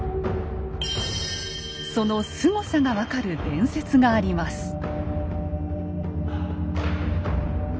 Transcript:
そのスゴさが分かる伝説があります。